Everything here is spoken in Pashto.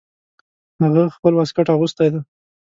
هغه خپل واسکټ اغوستی ده